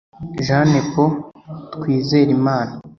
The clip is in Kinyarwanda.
Jean Nepo Twizerimana